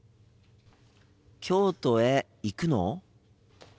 京都へ行くの？